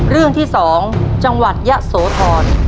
เรื่องที่๒จังหวัดยะโสธร